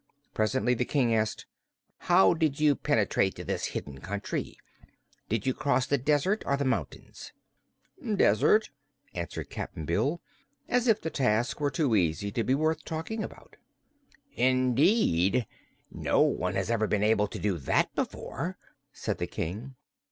Presently the King asked: "How did you penetrate to this hidden country? Did you cross the desert or the mountains?" "Desert," answered Cap'n Bill, as if the task were too easy to be worth talking about. "Indeed! No one has ever been able to do that before," said the King.